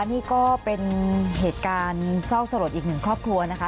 นี่ก็เป็นเหตุการณ์เศร้าสลดอีกหนึ่งครอบครัวนะคะ